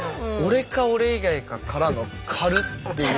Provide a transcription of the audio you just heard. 「俺か俺以外か」からの「軽っ！」っていう。